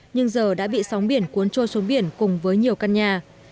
nhưng giờ đã bị sóng biển cuốn trôi xuống biển cùng với nhiều căn nhà